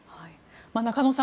中野さん